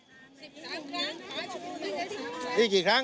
๑๓ครั้งป่าชูนี่กี่ครั้ง